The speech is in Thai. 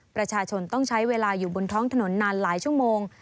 ประชาชนต้องใช้เวลาอยู่บนท้องถนนนานหลายชั่วโมง